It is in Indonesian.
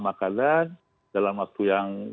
makanan dalam waktu yang